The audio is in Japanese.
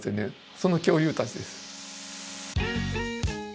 その恐竜たちです。